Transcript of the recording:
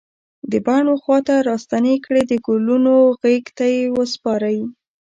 د بڼ و خواته راستنې کړي د ګلونو غیږ ته یې وسپاری